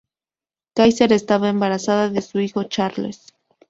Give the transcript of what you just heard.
Kaiser estaba embarazada de su hijo Charles.